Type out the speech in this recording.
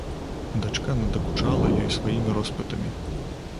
Дачка надакучала ёй сваімі роспытамі.